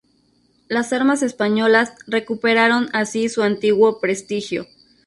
Las armas españolas recuperaron así su antiguo prestigio.